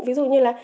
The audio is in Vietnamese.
ví dụ như là